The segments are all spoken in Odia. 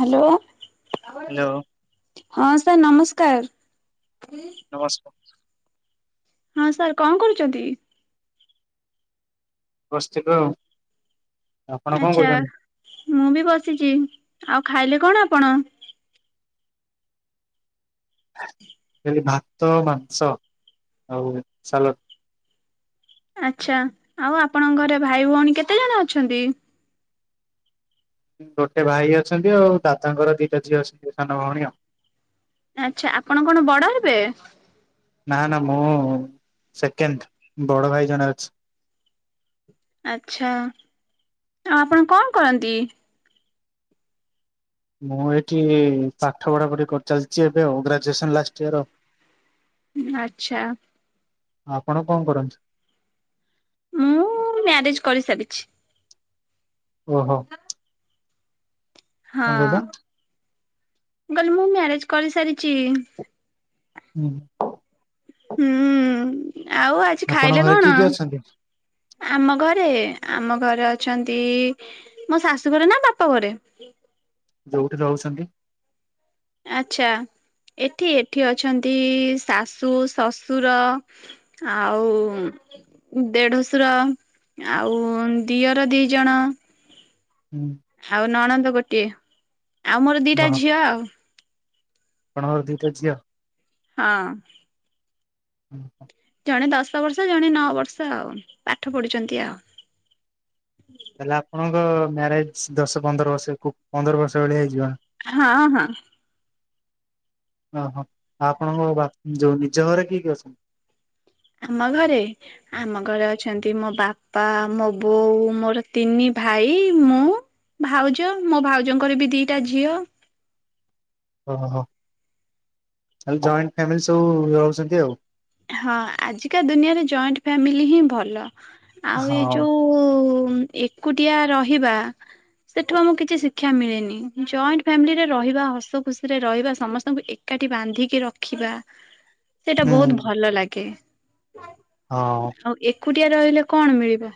ହାଲୋ। ହ୍ୟାଲୋ। ହଁ ସାର୍ ନମସ୍କାର। ନମସ୍କାର। ହଁ ସାର୍ କଣ କରୁଚନ୍ତି? ବସିଥିଲୁ ଆଉ। ଆପଣ କଣ ଆଚ୍ଛା କରୁଛନ୍ତି? ମୁଁ ବି ବସିଛି, ଆଉ ଖାଇଲେ କଣ ଆପଣ? [unintelligible] ଭାତ, ମାଂସ ଆଉ ସାଲ ଆଚ୍ଛା ଆଉ ଆପଣଙ୍କ ଘରେ ଭାଇ ଭଉଣୀ କେତେ ଜଣ ଅଛନ୍ତି? ଗୋଟେ ଭାଇ ଅଛନ୍ତି ଆଉ ଦାଦାଙ୍କର ଦିଟା ଝିଅ ଅଛନ୍ତି ସାନ ଭଉଣୀ ଆଉ। ଆଚ୍ଛା ଆପଣ କଣ ବଡ ହେବେ? ନା ନା ମୁଁ ସେକେଣ୍ଡ ବଡ ଭାଇ ଜଣେ ଅଛ ଆଚ୍ଛା ଆଉ ଆପଣ କଣ କରନ୍ତି? ମୁଁ ଏଠି ପାଠ ପଢା ପଢି କରି ଚାଲିଚି ଏବେ ଆଉ ଗ୍ରାଜୁଏସନ୍ ଲାଷ୍ଟ ଇୟର୍। ଆଚ୍ଛା। ଆପଣ କଣ କରନ୍ତି? ମୁଁ ମ୍ୟାରେଜ୍ କରିସାରିଛି। ଓହୋ। [unintelligible] ହଁ, କଣ କହିଲେ ମୁଁ କହିଲି ମୁଁ ମ୍ୟାରେଜ କରିସାରିଚି। ହୁଁ। ହୁଁ, ଆଉ ଆଜି ଆପଣଙ୍କ ଖାଇଲେ ଘରେ କିଏ କଣ? କିଏ ଅଛନ୍ତି ଆମ ଘରେ, ଆମ ଘରେ ଅଛନ୍ତି ଇ ମୋ ଶାଶୁ ଘରେ ନା ବାପା ଘରେ? ଯୋଉଠି ରହୁଚନ୍ତି। ଆଛା, ଏଠି ଏଠି ଅଛନ୍ତି, ଶାଶୁ ଶଶୁର ଆଉ ଦେଢଶୁର, ଆଉ ଦିଅର ଦି ଜଣ। ହୁଁ। ଆଉ ନଣନ୍ଦ ଗୋଟିଏ, ଆଉ ମୋର ଓହୋ ଦିଟା ଝିଅ ଆଉ। ଆପଣଙ୍କର ଦିଟା ଝିଅ? ହଁ। [unintelligible] ଜଣେ ଦଶ ବର୍ଷ, ଜଣେ ନଅ ବର୍ଷ ଆଉ, ପାଠ ପଢୁଚନ୍ତି ଆଉ। ତାଲେ ଆପଣଙ୍କ ମ୍ୟାରେଜ, ଦଶ ପନ୍ଦର ବର୍ଷ, ପନ୍ଦର ବର୍ଷ ଭଳିଆ ହେଇଯିବଣି? ହଁ ହଁ। ଓହୋ, ଆଉ ଆପଣଙ୍କ ବାପ୍, ଯୋଉ ନିଜ ଘରେ କିଏ କିଏ ଅଛନ୍ତି? ଆମ ଘରେ ଆମ ଘରେ ଅଛନ୍ତି ମୋ ବାପା, ମୋ ବୋଉ, ମୋର ତିନି ଭାଇ, ମୁଁ। ଭାଉଜ, ମୋ ଭାଉଜଙ୍କର ବି ଦିଟା ଝିଅ। ଓହୋ, ଆଉ ଜଏଣ୍ଟ ଫ୍ୟାମିଲି ସବୁ ରହୁଚନ୍ତି ଆଉ। ହଁ, ଆଜିକା ଦୁନିଆରେ ଜଏଣ୍ଟ ଫାମିଲି ହିଁ ଭଲ, ଆଉ ଏ ହଁ। ଯୋଉ ଏକୁଟିଆ ରହିବା ସେଠୁ ଆମକୁ କିଛି ଶିକ୍ଷା ମିଳେନି, ଜଏଣ୍ଟ ଫ୍ୟାମିଲିରେ ରହିବା, ହସ ଖୁସିରେ ରହିବା, ସମସ୍ତଙ୍କୁ ଏକ୍ ଏକାଠି ବାନ୍ଧିକି ରଖିବା। [inaudible] ସେଇଟା ବହୁତ ହୁଁ ଭଲ ଲାଗେ, ହଁ ଆଉ ଏକ୍ ଏକୁଟିଆ ରହିଲେ କଣ ମିଳିବ?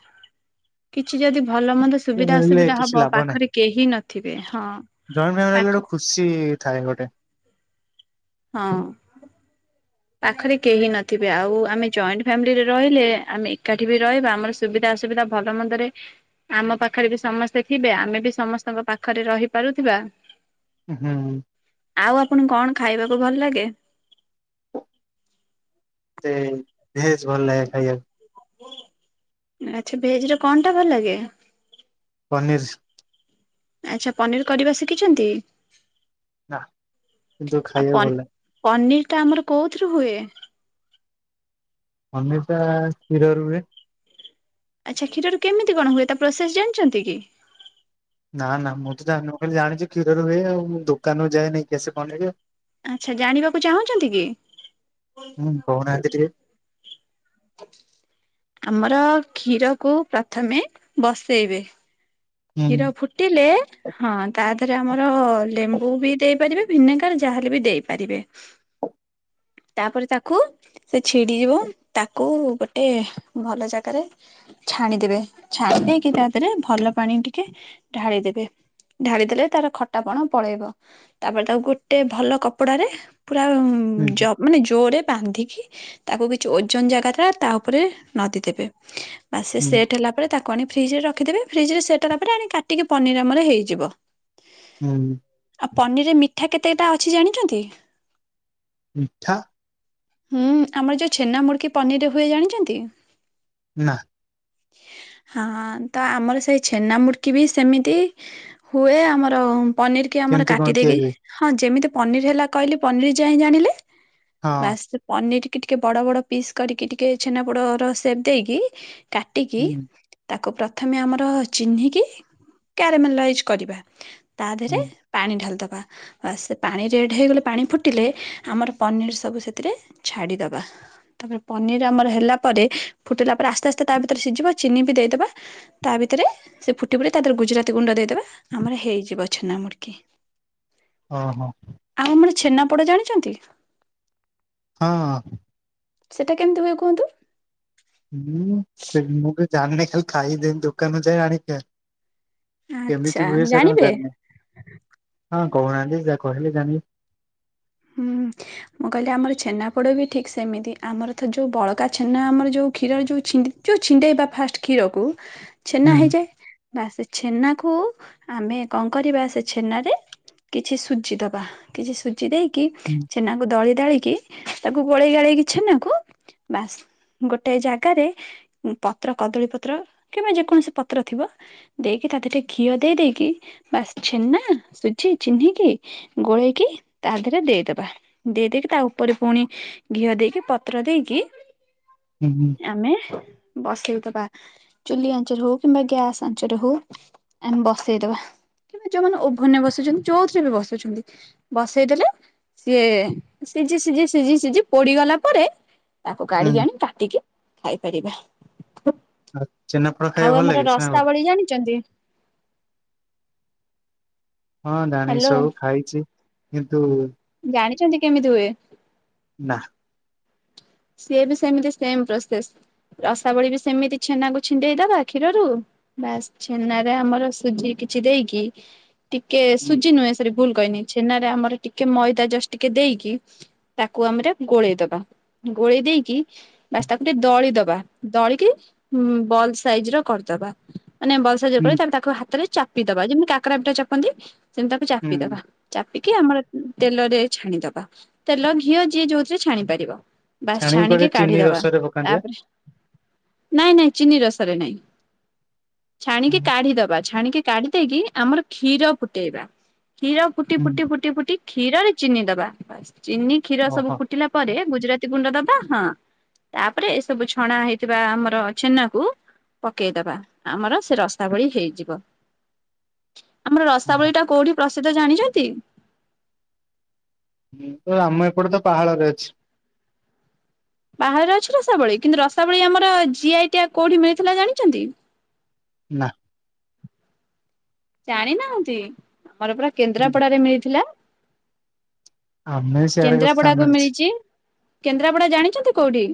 କିଛି ଯଦି ଭଲ ମନ୍ଦ ସେ ସୁବିଧା ମିଳିଲେ ଅସୁବିଧା କିଛି ହବ, ଲାଭ ନାହିଁ ପାଖରେ କେହି ନଥିବେ, ହଁ ଜଏଣ୍ଟ ଫ୍ୟାମିଲି ହେଲେ ଗୋଟେ ପାଖ ଖୁସି ଥାଏ ଗୋଟେ। ହଁ। ପାଖରେ କେହି ନଥିବେ, ଆଉ ଆମେ ଜଏଣ୍ଟ ଫ୍ୟାମିଲିରେ ରହିଲେ, ଆମେ ଏକାଠି ବି ରହିବା, ଆମର ସୁ ସୁବିଧା ଅସୁବିଧା ଭଲ ମନ୍ଦରେ ଆମ ପାଖରେ ବି ସମସ୍ତେ ଥିବେ, ଆମେ ବି ସମସ୍ତଙ୍କ ପାଖରେ ରହିପାରୁଥିବା। ହୁଁ ହୁଁ। ଆଉ ଆପଣଙ୍କୁ କଣ ଖାଇବାକୁ ଭଲ ଲାଗେ? ତେ, ଭେଜ୍ ଭଲ ଲାଗେ ଖାଇବାକୁ। ଆଛା, ଭେଜ୍ ରେ କଣ ଟା ଭଲ ଲାଗେ? ପନିର୍। ଆଛା ପନିର୍ କରିବା ଶିଖିଚନ୍ତି? ନା କିନ୍ତୁ ଖାଇବାକୁ ଭଲ ଲାଗେ ପନିର୍ ଟା ଆମର କୋଉଥିରୁ ହୁଏ? ପନିର୍ ଟା କ୍ଷୀରରୁ ହୁଏ। ଆଚ୍ଛା କ୍ଷୀର କେମତି କଣ ହୁଏ ତା ପ୍ରୋସେସ୍ ଜାଣିଚନ୍ତିକି? ନା ନା ମୁଁତ ଜାଣିନି ମୁଖାଲି ଜାଣିଚି କ୍ଷୀରରୁ ହୁଏ ଆଉ ଦୋକାନରୁ ଯାଏ ନେଇକି ଆସେ [unintelligible] ଆଚ୍ଛା ଜାଣିବାକୁ ଚାହୁଁଚନ୍ତିକି? ହୁଁ କହୁନାହାନ୍ତି ଟିକେ? ଆମର କ୍ଷୀରକୁ ପ୍ରଥମେ ବସେଇବେ ହୁଁ କ୍ଷୀର ଫୁଟିଲେ ହଁ ତାଦେରେ ଆମର ଲେମ୍ବୁବି ଦେଇପାରିବେ ଭିନେଗାର ଯାହାହେଲେବି ଦେଇପାରିବେ। [inaudible] ତାପରେ ତାକୁ ସେ ଛିଡ଼ିଯିବ ତାକୁ ଗୋଟେ ଭଲ ଜାଗାରେ ଛାଣିଦେବେ ଛାଣି ଦେଇକି ତାଦେହରେ ଭଲ ପାଣି ଟିକେ ଢାଳିଦେବେ ଢାଳିଦେଲେ ତାର ଖଟାପଣ ପଳେଇବ। ତାପରେ ତାକୁ ଗୋଟେ ଭଲ କପଡ଼ାରେ ପୁରା ଜ ହୁଁ ମାନେ ଜୋରେ ବାନ୍ଧିକି ତାକୁ କିଛି ଓଜନ ଜାଗାଟା ତାଉପରେ ନଦୀ ଦେବେ ବାସ୍ ହୁଁ ସେସେଟ୍ ହେଲା ପରେ ତା କରିକି ଫ୍ରିଜରେ ରଖିଦେବେ ଫ୍ରିଜରେ ସେଟ୍ ହେଲା ପରେ ଆଣି କାଟିକି ପନିର୍ ଆମର ହେଇଯିବ। ହୁଁ। ଆଉ ପନିରରେ ମିଠା କେତେଟା ଅଛି ଜାଣିଚନ୍ତି? ମିଠା ହୁଁ ଆମର ଯେଉଁ ଛେନାମୁଡ଼କି ପନିରରେ ହୁଏ ଜାଣିଚନ୍ତି? ନାଁ। ହଁ ତଆମର ସେ ସେଇ ଛେନା ମୁଡ଼ୁକିବି ସେମିତି ହୁଏ ଆମର ପନିରିକି ଆମର କେମିତି କଣ କାଟିଦେଇକି ତିଆରି ହୁଏ ହଁ ଯେମିତି ପନିର୍ ହେଲା କହିଲି ପନିର୍ ଯାଇଁ ଜାଣିଲେ ହଁ ବାସ୍ ପନିରକି ଟିକେ ବଡ଼ ବଡ଼ ପିସ୍ କରିକି ଟିକେ ଛେନା ପୋଡ଼ର ସେପ୍ ଦେଇକି କାଟିକି ହୁଁ। ତାକୁ ପ୍ରଥମେ ଆମର ଚିହ୍ନିକି କ୍ୟାରମଲାଇଜ କରିବା ତାଦେହରେ ହୁଁ ପାଣି ଢାଳିଦବା ବାସ୍ ସେପାଣି ରେଡ୍ ହେଇଗଲେ ପାଣି ଫୁଟିଲେ ଆମର ପନିର୍ ସବୁ ସେଥିରେ ଛାଡ଼ିଦବା। ତାପରେ ପନିର୍ ଆମର ହେଲା ପରେ ଫୁଟିଲା ପରେ ଆସ୍ତେ ଆସ୍ତେ ତାଭିତରେ ସିଝିବ ଚିନିବି ଦେଇଦେବା ତା ଭିତରେ ସେ ଫୁଟି ଫୁଟ ତାଦେହରେ ଗୁଜୁରାତି ଗୁଣ୍ଡ ଦେଇଦେବେ ଆମର ହେଇଯିବ ଛେନାମୁଡ଼କି। ଓହୋ। ଆଉ ଆମର ଛେନାପୋଡ଼ ଜାଣିଚନ୍ତି? ହଁ ହଁ। ସେଇଟା କେମିତି ହୁଏ କୁହନ୍ତୁ? ମୁଁ ସେଟାବି ଜାଣିନି ଖାଲି ଖାଇଦେନି ଦୋକାନରୁ ଯାଇଁ ଆଣିଖାଏ। ଆଚ୍ଛା କେମିତି ହୁଏ ସେରା ମୁଁ ଜାଣିବେ? ଜାଣିନି। ହଁ କହୁନାହାନ୍ତି ଯାହା କହିଲେ ଜାଣିବି। ହୁଁ। ମୁଁ କହିଲି ଆମର ଛେନାପୋଡ଼ବି ଠିକ୍ ସେମିତି ଆମରତ ଯୋଉ ବଳକା ଛେନା ଆମର ଯୋଉ କ୍ଷୀର ଯୋଉ ଛିଣ୍ଡି ଯୋଉ ଛିଣ୍ଡେଇବା ଫାଷ୍ଟ୍ କ୍ଷୀରକୁୁ ହୁଁ। ଛେନା ହୁଁ ହେଇଯାଏ। ବାସ୍ ସେଛେନାକୁ ଆମେ କଣ କରିବା ସେଛେନାରେ କିଛି ସୁଜି ଦବା କିଛି ସୁଜି ଦେଇ ହୁଁ। ଛେନାକୁ ଦଳି ଦାଳିକି ତାକୁ ଗୋଳେଇ ଗାଳେଇକି ଛେନାକୁ ବାସ୍ ଗୋଟେ ଜାଗାରେ ପତ୍ର କଦଳୀ ପତ୍ର କିମ୍ବା ଯେକୌଣସି ପତ୍ର ଥିବ ଦେଇକି ତା ଦେରେ ଟିକେ ଘିଅ ଦେଇ ଦେଇକି ବାସ୍ ଛେନା ସୁଜି ଚିହ୍ନି କିି ଗୋଳେଇକି ତା ଧେର୍ ରେ ଦେଇଦବା ଦେଇ ଦେଇେଇକି ତା ଉପରେ ପୁଣି ଘିଅ ଦେଇକି ପତ୍ର ଦେଇକି ହୁଁ ହୁଁ ଆମେ ବସେଇଦବା ଚୁଲି ଆଞ୍ଚରେ ହଉ କିମ୍ବା ଗ୍ୟାସ୍ ଆଞ୍ଚରେ ହଉ ଆମେ ବସେଇଦବା। କି ଯୋଉମାନେ ଓଭନରେ ବସୁଛନ୍ତି ଚଉଥିରେ ବି ବସଉଛନ୍ତି ବସେଇଦେଲେ ସିଏ ସିଝି ସିଝି ସିଝି ସିଝି ପୋଡିଗଲା ପରେ ତାକୁ କାଢିକି ହୁଁ ଆଣି ପା ଟିକି ଖାଇପାରିବା ଉ ଆଉ ଛେନାପୋଡ଼ ଖାଇବାକୁ ଭଲ ଲାଗେ ଆମର ଛେନାପୋଡ଼ ରଶା ଭଳି ଜାଣିଛନ୍ତି? ହଁ ହ୍ୟାଲୋ ଜାଣିସୁ ଖାଇଛି କିନ୍ତୁ ଜାଣିଛନ୍ତି କେମିତି ହୁଏ? ନା। ସିଏ ବି ସେମିତି ସେମ ପ୍ରୋସେସ ରସାବଳି ବି ସେମିତି ଛେନାକୁ ଛିଣ୍ଡେଇଦବା କ୍ଷୀରରୁ ବାସ୍ ଛେନା ରେ ଆମର ସୁଜି କିଛି ଦେଇକି ଟିକେ ହୁଁ ସୁଜି ନୁହେଁ। ସରି ଭୁଲ କହିନି ଛେନାରେ ଆମର ଟିକେ ମଇଦା ଜଷ୍ଟ ଟିକେ ଦେଇକି ତାକୁ ଆମର ଗୋଳେଇଦବା। ଗୋଳେଇ ଦେଇକି ବାସ୍ ତାକୁ ଟିକେ ଦଳି ଦବା ଦଳିକି ବଲ୍ ସାଇଜ ର କରିଦବା ମାନେ ବସ୍ [unintelligible] ହୁଁ ଯେପରି ତା ତାକୁ ହାତରେ ଚାପିଦବା ଯେମିତି କାକରା ପିଠା ଚାପନ୍ତି ସେମିତି ତାକୁ ହୁଁ ଚାପିଦବା। ଚାପିକି ଆମର ତେଲରେ ଛାଣିଦବା ତେଲ ଘିଅ ଯିଏ ଯୋଉଥିରେ ଛାଣି ପାରିବ। ବାସ୍ ପରେ ଛାଣିକି ଚିନି କାଢିଦବା ରସରେ ପକାନ୍ତି ବା। ତାପରେ ନାଇଁ ନାଇଁ ଚିନି ରସରେ ନାଇଁ ଛାଣିକି ହୁଁ କାଢି ଦବା ଛାଣିକି କାଢି ଦେଇକି ଆମର କ୍ଷୀର ଫୁଟେଇବା କ୍ଷୀର ଫୁଟି ଫୁଟି ହୁଁ, ଫୁଟି ଫୁଟି କ୍ଷୀରରେ ଚିନି ଦବା ବାସ ଚିନି କ୍ଷୀର ସବୁ ଓହୋ ଫୁଟିଲା ପରେ ଗୁଜୁରାତି ଗୁଣ୍ଡ ଦବା ହଁ। ତାପରେ ଏ ସବୁ ଛଣା ହେଇଥିବା ଆମର ଛେନାକୁ ପକେଇଦବା ଆମର ସେ ରଶାଭଳି ହେଇଯିବ। ଆମର ଓହୋ। ରସାବଳି ଟା କୋଉଠି ପ୍ରସିଦ୍ଧ ଜାଣିଛନ୍ତି? ହଁ ଆମ ଏପଟେ ତ ପାହାଳରେ ଅଛି। ପାହାଳ ରେ ଅଛି ରସାବଳି କିନ୍ତୁ ରସାବଳି ଆମର ଜି ଆଇ ଟ୍ୟାଗ କୋଉଠି ମିଳିଥିଲା ଜାଣିଛନ୍ତି? ନା। ଜାଣିନାହାନ୍ତି ଆମର ପରା ହୁଁ, କେନ୍ଦ୍ରାପଡାରେ ମିଳିଥିଲା। ଆମେ ସିଆଡେ କଥା କେନ୍ଦ୍ରାପଡା ଜାଣିନୁ କୁ କିଛି। ମିଳିଛି କେନ୍ଦ୍ରାପଡା ଜାଣିଛନ୍ତି କୋଉଠି?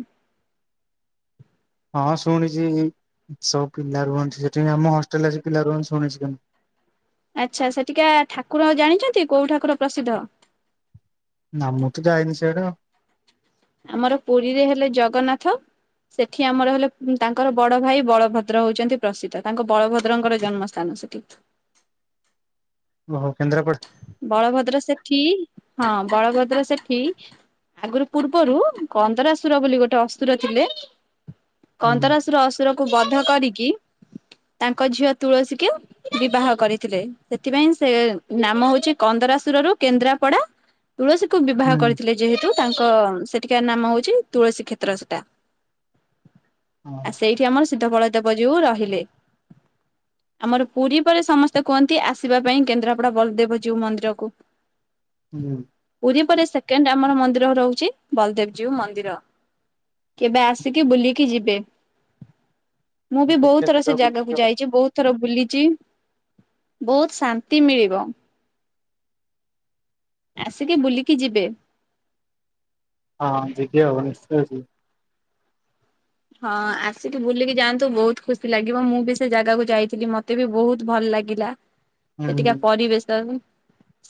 ହଁ ଶୁଣିଛି ସବୁ ପିଲା ରୁହନ୍ତି ସେଠିନ ଆମ ହଷ୍ଟେଲରେ ଆସି ପିଲା ରୁହନ୍ତି ଶୁଣିଛି। ଆଚ୍ଛା ସେଠିକା ଠାକୁର ଜାଣିଛନ୍ତି କୋଉ ଠାକୁର ପ୍ରସିଦ୍ଧ? ନା ମୁଁ ତ ଯାଇନି ସାଡେ। ଆମର ପୁରୀରେ ହେଲେ ଜଗନ୍ନାଥ। ସେଠି ଆମର ହେଲେ ତାଙ୍କର ବଡ ଭାଇ ବଳଭଦ୍ର ହଉଛନ୍ତି ପ୍ରସିଦ୍ଧ ତାଙ୍କ ବଳଭଦ୍ରଙ୍କର ଜନ୍ମ ସ୍ଥାନ ସେଠି। ଓ ହୋ କେନ୍ଦ୍ରାପଡ଼। ବଳଭଦ୍ର ସେଠି ହଁ ବଳଭଦ୍ର ସେଠି ଆଗରୁ ପୂର୍ବରୁ ଅନ୍ଦରାସୁର ବୋଲି ଗୋଟେ ଅସୁର ଥିଲେ ହୁଁ କନ୍ଦରାସୁର ଅସୁରକୁ ବଧ କରିକି ତାଙ୍କ ଝିଅ ତୁଳସୀକି ବିବାହ କରିଥିଲେ ସେଥିପାଇଁ ସେ ନାମ ହଉଛି କନ୍ଦରାସୁରରୁ କେନ୍ଦ୍ରାପଡା ତୁଳସୀ କୁ ବିବାହ ହୁଁ କରିଥିଲେ ଯେହେତୁ ତାଙ୍କ ସେଠିକାର ନାମ ହଉଛି ତୁଳସୀ କ୍ଷେତ୍ର ସେଟା। ହଁ ଆ ସେଇଠି ଆମର ସିଦ୍ଧ ଫଳଦେବ ଯଉ ରହିଲେ। ଆମର ପୁରୀ ପରେ ସମସ୍ତେ କୁହନ୍ତି ଆସିବା ପାଇଁ କେନ୍ଦ୍ରା ଆପଣ ବଳଦେବ ଜୀଉ ମନ୍ଦିର କୁ ହୁଁ। ପୁରୀ ପରେ ସେକେଣ୍ଡ ଆମର ମନ୍ଦିର ରହୁଚି ବଲଦେବଜୀଉ ମନ୍ଦିର। କେବେ ଆସିକି ବୁଲିକି ଯିବେ, ମୁଁ ବି ହଉ ବହୁତ ଦେଖିବା ଥର ସେ ଯିବା ଜାଗାକୁ ବୁଲିକି ଯାଇଚି। ବହୁତ ଥର ବୁଲିଚି ବହୁତ ଶାନ୍ତି ମିଳିବ। ଆସିକି ବୁଲିକି ଯିବେ। ହଁ ହଁ ଯିିବି ଆଉ ନିଶ୍ଚୟ ଅଛି। ହଁ ଆସିକି ବୁଲିକି ଯାଆନ୍ତୁ ବହୁତ ଖୁସି ଲାଗିବ ମୁଁ ବି ସେ ଜାଗାକୁ ଯାଇଥିଲି। ମତେ ମତେ ବି ବହୁତ ଭଲ ଲାଗିଲା ସେଠିକା ହୁଁ ପରିବେଶ।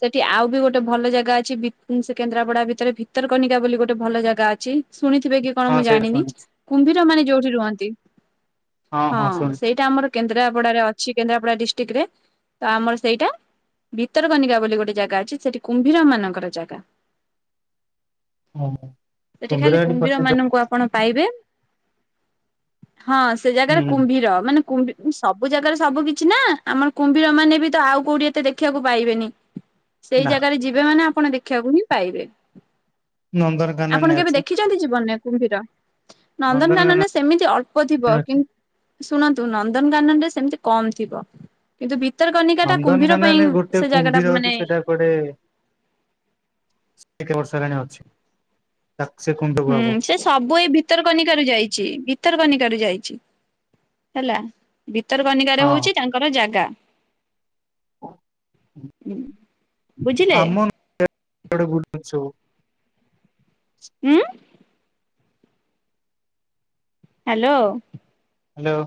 ସେଠି ଆଉ ବି ଗୋଟେ ଭଲ ଜାଗା ଅଛି ଭି ସେ କେନ୍ଦ୍ରାପଡା ଭିତରେ ଭିତରକନିକା ବୋଲି ଗୋଟେ ଭଲ ଜାଗା ଅଛି। ଶୁଣିଥିବେ କି ହଁ ସେଇଟା ଶୁଣିଚି। କୁମ୍ବୀର ମାନେ ଯୋଉଠି ରୁହନ୍ତି ହଁ ସେଟା ଆମର କେନ୍ଦ୍ରାପଡାରେ ଅଛି କେନ୍ଦ୍ରାପଡା ଡିଷ୍ଟ୍ରିକ୍ଟ ରେ ତ ଆମର ସେଇଟା ଭିତରକନିକା ବୋଲି ଗୋଟେ ଜାଗା ଅଛି ସେଠି କୁମ୍ଭୀର ମାନଙ୍କର ଜାଗା। ହଉ ସେଠି ଖାଲି କୁମ୍ଭୀର ଏଟି ପ୍ରସିଧ ମାନଙ୍କୁ ଆପଣ ପାଇବେ ହଁ ସେ ଜାଗାରେ ହୁଁ କୁମ୍ଭୀର ମାନେ କୁମ୍ ସବୁ ଜାଗାରେ ସବୁ କିଛି ନା ଆମର କୁମ୍ଭୀର ମାନେ ବି ତ ଆଉ କୋଉଠି ଏତେ ଦେଖିବାକୁ ପାଇବେନି। ସେଇ ନା ଜାଗାରେ ଯିବେ ମାନେ ଆପଣ ଦେଖିବାକୁ ହିଁ ପାଇବେ। ନନ୍ଦନକାନନରେ ଆପଣ କେବେ ଅଛି ଦେଖିଛନ୍ତି ଜୀବନରେ କୁମ୍ଭୀର ନନ୍ଦନକାନନ ନନ୍ଦନକାନନେ? ସେମିତି ଅଳ୍ପ ଥିବ ଅଛି କିନ୍ତ ଶୁଣନ୍ତୁ ନନ୍ଦନକାନନ ରେ ସେମିତି କମ ଥିବ। କିନ୍ତୁ ଭିତରକନିକା ଟା କୁମ୍ଭୀର ନନ୍ଦନକାନନରେ ପାଇଁ ସେ ଜାଗା ଟା ମାନେ ଗୋଟେ ଏତେ ବର୍ଷ ହେଲାଣି ଅଛି। ତାକ୍ସେ ସେଫ୍ କୁହନ୍ତୁ। ହୁଁ ସେ ସବୁ ଏ ଭି ଭିତରକନିକ ରେ ଯାଇଛି ଭିତରକନିକା ରେ ଯାଇଛି ହେଲା। ଭତର କନିକାରେ ହଁ ହଉଚି ତାଙ୍କର ଜାଗା। ହୁଁ। ଆମେ ବୁଲୁଛୁ [unintelligible] ହୁଁ ହାଲୋ ହାଲୋ